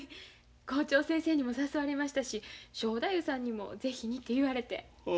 校長先生にも誘われましたし正太夫さんにも是非にて言われて。